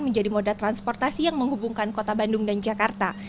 menjadi moda transportasi yang menghubungkan kota bandung dan jakarta